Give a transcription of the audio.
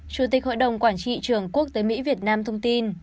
chủ tịch hội đồng quản trị trường quốc tế mỹ việt nam thông tin